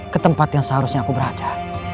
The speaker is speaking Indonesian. ke tempat yang seharusnya aku berada